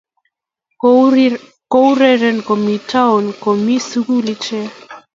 ko ureren komi tuan komi sugul ichek